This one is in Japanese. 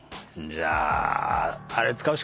じゃあ。